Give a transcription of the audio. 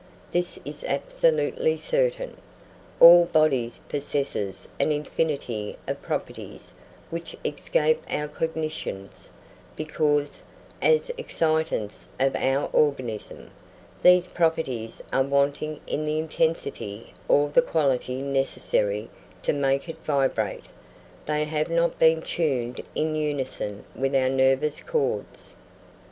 This is absolutely certain. All bodies possess an infinity of properties which escape our cognitions; because, as excitants of our organism, these properties are wanting in the intensity or the quality necessary to make it vibrate; they have not been tuned in unison with our nervous chords.